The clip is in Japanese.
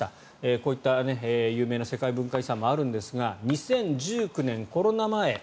こういった有名な世界文化遺産もあるんですが２０１９年、コロナ前。